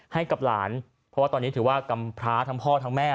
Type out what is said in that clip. ให้กับหลานเพราะว่าตอนนี้ถือว่ากำพร้าทั้งพ่อทั้งแม่